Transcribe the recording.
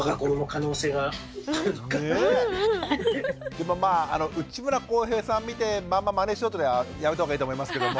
でもまあ内村航平さん見てまんままねしようっていうのはやめた方がいいと思いますけども。